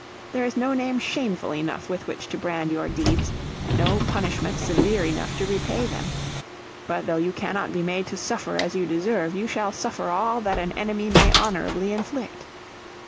There is no name shameful enough with which to brand your deeds, no punishment severe enough to repay them. But though you cannot be made to suffer as you deserve you shall suffer all that an enemy may honourably inflict.